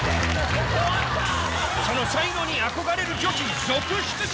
そのに憧れる女子続出中。